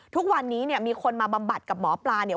ทุกวันนี้เนี่ยมีคนมาบำบัดกับหมอปลาเนี่ย